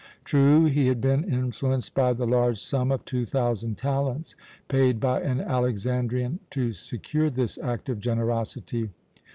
True, he had been influenced by the large sum of two thousand talents paid by an Alexandrian to secure this act of generosity.